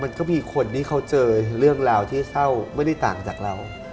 ก็มีคนที่เขาเจอเรื่องราวที่เศร้าไม่ได้ต่างจากเรา